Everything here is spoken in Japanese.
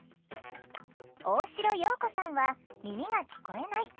大城桜子さんは耳が聞こえない。